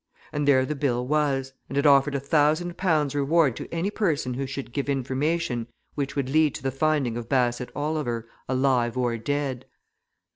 And there the bill was, and it offered a thousand pounds reward to any person who should give information which would lead to the finding of Bassett Oliver, alive or dead.